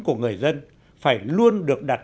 của người dân phải luôn được đặt